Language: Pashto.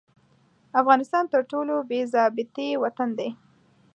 افغانستان تر ټولو بې ضابطې وطن دي.